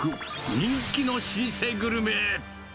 人気の老舗グルメ。